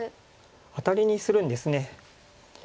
アタリにするんですね。